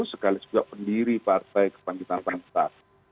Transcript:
sekali sebuah pendiri partai kebangkitan pancretan